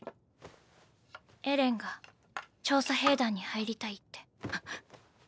エレンが調査兵団に入りたいって。